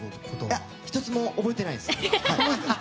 いや、ひとつも覚えてないです。